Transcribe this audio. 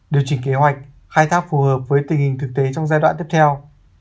điều chỉnh kế hoạch khai thác phù hợp với tình hình thực tế trong giai đoạn tiếp theo